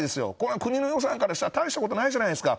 国の予算からしたら大したことないじゃないですか。